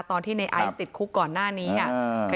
ตอนที่ในไอซ์ติดคุกก่อนหน้านี้อ่ะ